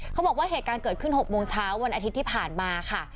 เขาบอกว่าเหตุการณ์เกิดขึ้น๖โมงเช้าวันอาทิตย์ที่ผ่านมาค่ะ